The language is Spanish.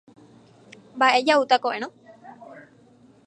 Esta tinaja hace cien arrobas de aceite.